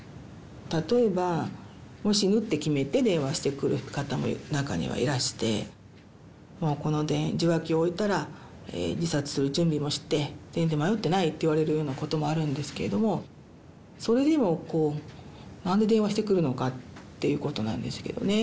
例えばもう死ぬって決めて電話してくる方も中にはいらしてもうこの受話器を置いたら自殺する準備もして全然迷っていないって言われるようなこともあるんですけれどもそれでもこう何で電話してくるのかっていうことなんですけどね。